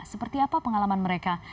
seperti apa pengalaman mereka